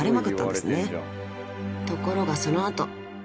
［ところがその後］